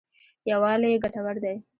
یوالی ګټور دی.